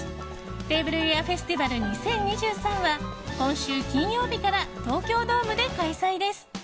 「テーブルウェア・フェスティバル２０２３」は今週金曜日から東京ドームで開催です。